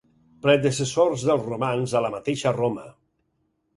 Predecessors dels romans a la mateixa Roma.